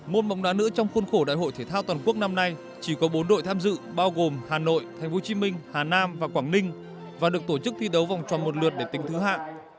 môn bóng đá nữ trong khuôn khổ đại hội thể thao toàn quốc năm nay chỉ có bốn đội tham dự bao gồm hà nội tp hcm hà nam và quảng ninh và được tổ chức thi đấu vòng tròn một lượt để tính thứ hạng